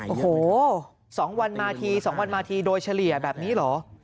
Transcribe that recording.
โอ้โห๒วันมาที๒วันมาทีโดยเฉลี่ยแบบนี้เหรอ